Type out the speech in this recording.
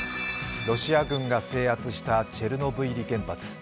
ロシア軍が制圧したチェルノブイリ原発。